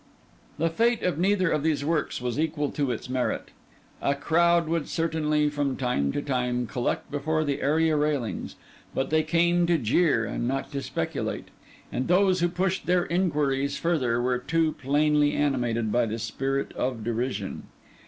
The fate of neither of these works was equal to its merit. A crowd would certainly, from time to time, collect before the area railings; but they came to jeer and not to speculate; and those who pushed their inquiries further, were too plainly animated by the spirit of derision.